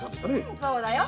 そうだよ。